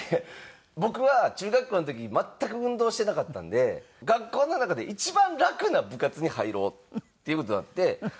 僕は中学校の時に全く運動してなかったんで学校の中で一番楽な部活に入ろうっていう事になって。